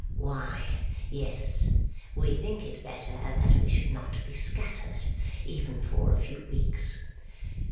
'Why, yes, we think it better that we should not be scattered, even for a few weeks.